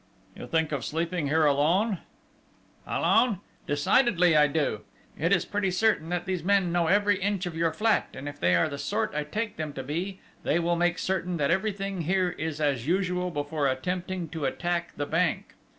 "You think of sleeping here alone?" "Alone! Decidedly, I do! It is pretty certain that these men know every inch of your flat; and if they are the sort I take them to be, they will make certain that everything here is as usual before attempting to attack the Bank.